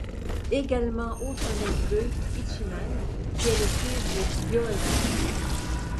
Également autre neveu Ichiman - qui est le fils de Yoriie.